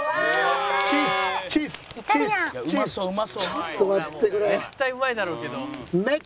ちょっと待ってくれ。